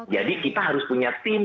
jadi kita harus punya team